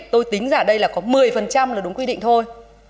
tôi tính giả đây là có một mươi là đúng quy định thôi